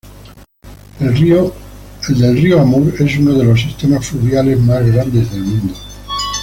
El del río Amur es uno de los sistemas fluviales más grandes del mundo.